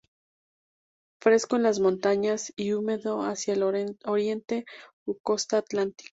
Fresco en las montañas y húmedo hacia el oriente o Costa Atlántica.